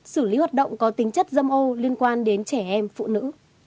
xử lý hoạt động có tính chất dâm ô liên quan đến trẻ em phụ nữ